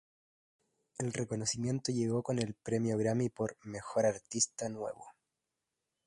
El reconocimiento llegó con el premio Grammy por "Mejor artista nuevo".